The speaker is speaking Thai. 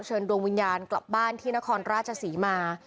ดวงวิญญาณกลับบ้านที่นครราชศรีมา